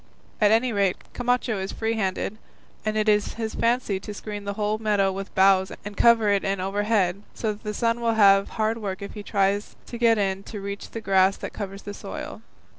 At any rate, Camacho is free handed, and it is his fancy to screen the whole meadow with boughs and cover it in overhead, so that the sun will have hard work if he tries to get in to reach the grass that covers the soil.